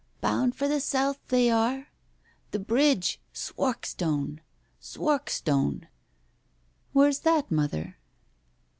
"Bound for the South, they are. ... The Bridge. ... Swarkstone ! Swarkstone." "Where's that, mother?"